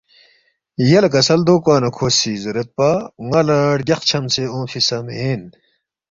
یلے کسل دو کوا نہ کھو سی زیریدپا، ”ن٘ا لہ رگیاخ چھمسے اونگفی سہ مین